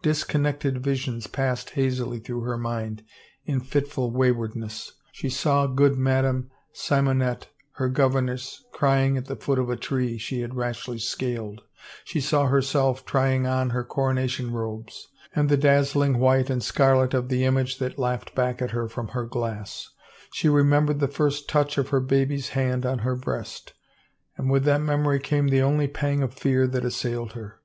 Dis connected visions passed hazily through her mind in fit ful waywardness ; she saw good Madame Simonette, her governess, crying at the foot of a tree she had rashly scaled; she saw herself trying on her coronation robes and the dazzling white and scarlet of the image that laughed back at her from her glass ; she remembered the first touch of her baby's hand on her breast. And with that memory came the only pang of fear that assailed her.